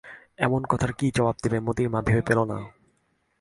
এমন কথার কী জবাব দেবে মোতির মা ভেবে পেলে না।